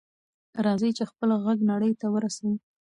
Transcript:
راځئ چې خپل غږ نړۍ ته ورسوو.